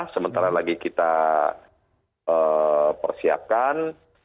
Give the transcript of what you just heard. sementara lagi kita persiapkan